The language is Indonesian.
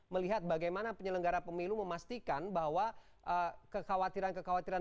melihat bagaimana penyelenggara pemilu memastikan bahwa kekhawatiran kekhawatiran